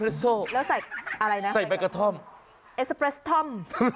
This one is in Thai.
แล้วใส่อะไรนะใส่แบลกาธอมอีสัเปรสครอม